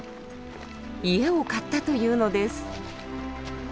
家を買ったというのです。